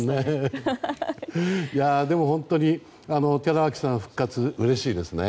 でも本当に、寺脇さん復活うれしいですね。